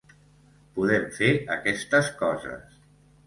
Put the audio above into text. Podem fer aquestes coses.